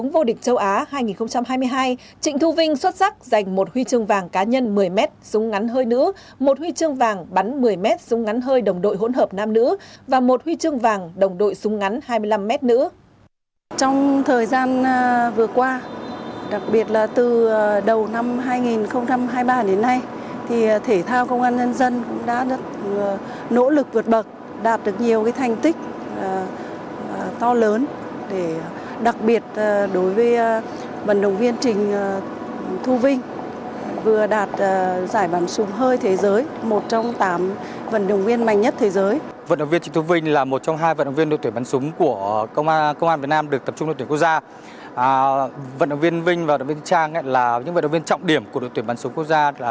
vận động viên vinh và vận động viên trang là những vận động viên trọng điểm của đội tuyển bắn súng quốc gia